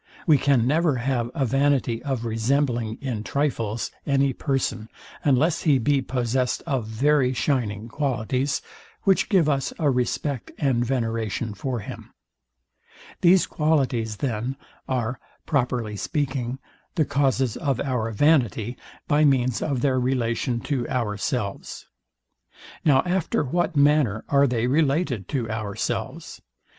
We can never have a vanity of resembling in trifles any person, unless he be possessed of very shining qualities, which give us a respect and veneration for him. These qualities, then, are, properly speaking, the causes of our vanity, by means of their relation to ourselves. Now after what manner are they related to ourselves?